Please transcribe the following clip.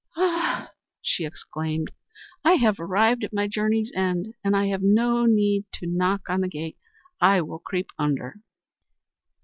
"Ah!" she exclaimed, "I have arrived at my journey's end, and I have no need to knock on the gate. I will creep under."